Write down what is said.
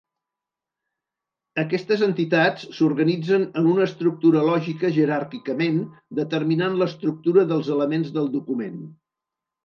Aquestes entitats s'organitzen en una estructura lògica jeràrquicament, determinant l'estructura dels elements del document.